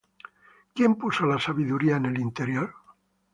¿Quién puso la sabiduría en el interior?